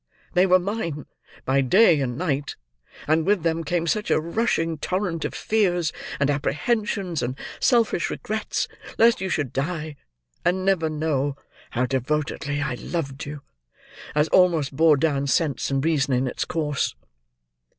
They were mine, by day and night; and with them, came such a rushing torrent of fears, and apprehensions, and selfish regrets, lest you should die, and never know how devotedly I loved you, as almost bore down sense and reason in its course.